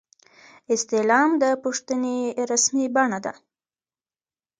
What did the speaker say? استعلام د پوښتنې رسمي بڼه ده